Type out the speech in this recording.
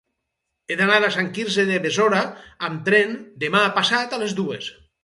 He d'anar a Sant Quirze de Besora amb tren demà passat a les dues.